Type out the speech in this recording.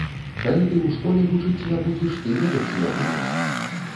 Калі ты ў школе вучыць не будзеш, ты ведаць не будзеш.